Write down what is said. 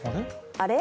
あれ？